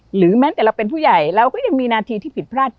แม้แต่เราเป็นผู้ใหญ่เราก็ยังมีนาทีที่ผิดพลาด